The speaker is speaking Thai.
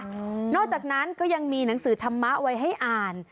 นอกจากนั้นก็ยังมีหนังสือธรรมะไว้ให้อ่าน